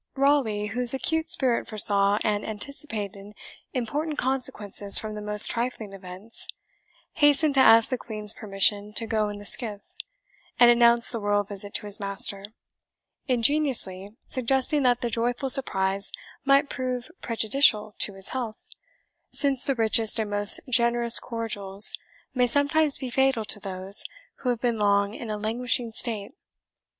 Raleigh, whose acute spirit foresaw and anticipated important consequences from the most trifling events, hastened to ask the Queen's permission to go in the skiff; and announce the royal visit to his master; ingeniously suggesting that the joyful surprise might prove prejudicial to his health, since the richest and most generous cordials may sometimes be fatal to those who have been long in a languishing state.